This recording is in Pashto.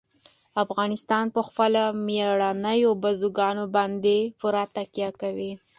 افغانستان په خپلو مېړنیو بزګانو باندې پوره تکیه لري.